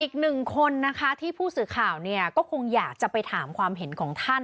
อีกหนึ่งคนนะคะที่ผู้สื่อข่าวเนี่ยก็คงอยากจะไปถามความเห็นของท่าน